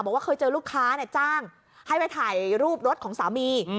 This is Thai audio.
บอกว่าเคยเจอลูกค้าจ้างให้ไปถ่ายรูปรถของสามี